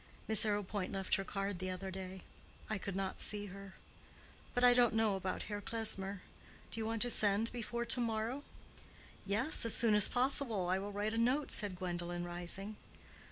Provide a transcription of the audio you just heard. Miss Arrowpoint left her card the other day: I could not see her. But I don't know about Herr Klesmer. Do you want to send before to morrow?" "Yes, as soon as possible. I will write a note," said Gwendolen, rising.